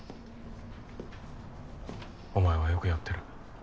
お前はよくやってる。